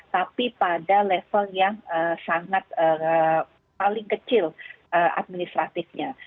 tapi pada level yang sangat paling kecil administratifnya